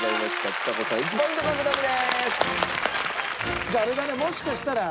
ちさ子さん１ポイント獲得です！